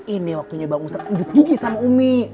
ini waktunya bang ustadz ngejut gigi sama umi